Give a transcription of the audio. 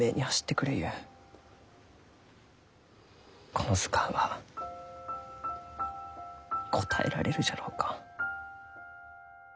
この図鑑は応えられるじゃろうか？